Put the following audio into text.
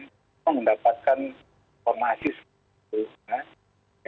kita mendapatkan informasi seperti itu